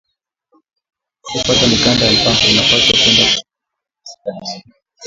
Paku pata mikanda ya mpango, unapashwa kwenda ku cadastre